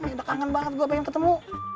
udah kangen banget gue pengen ketemu